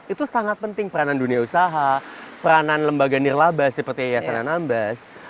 itu sangat penting peranan dunia usaha peranan lembaga nirlaba seperti yayasan anambas